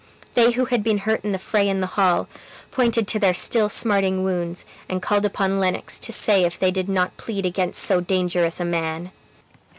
They who had been hurt in the fray in the hall, pointed to their still smarting wounds, and called upon Lennox to say if they did not plead against so dangerous a man?